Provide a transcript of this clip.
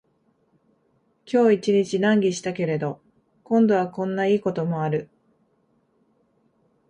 今日一日難儀したけれど、今度はこんないいこともある